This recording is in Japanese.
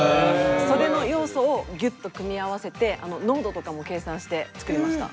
それの要素をギュッと組み合わせて濃度とかも計算して作りました。